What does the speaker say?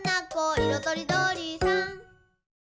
いろとりどりさん」